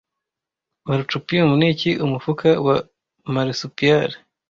Marcupium Niki Umufuka wa marsupial